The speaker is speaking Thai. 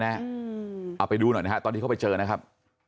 เอาไปดูหน่อยนะฮะตอนที่เขาไปเจอนะครับ